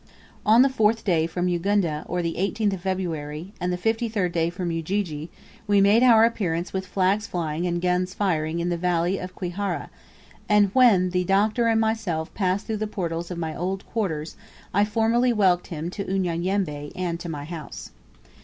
On the fourth day from Ugunda, or the 18th of February, and the fifty third day from Ujiji, we made our appearance with flags flying and guns firing in the valley of Kwihara, and when the Doctor and myself passed through the portals of my old quarters I formally welcomed him to Unyanyembe and to my house.